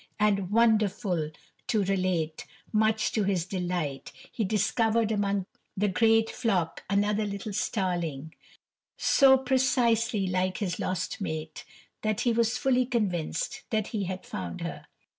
And, wonderful to relate, much to his delight he discovered among the great flock another little starling so precisely like his lost mate that he was fully convinced that he had found her.